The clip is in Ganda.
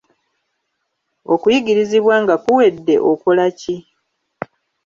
Okuyigirizibwa nga kuwedde okola ki?